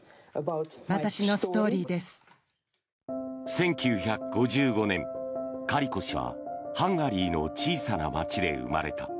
１９５５年、カリコ氏はハンガリーの小さな街で生まれた。